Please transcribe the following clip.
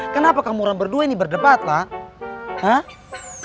kenapa kamu orang berdua ini berdebat lah